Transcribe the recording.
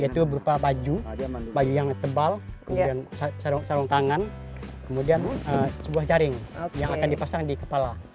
yaitu berupa baju baju yang tebal kemudian sarung tangan kemudian sebuah jaring yang akan dipasang di kepala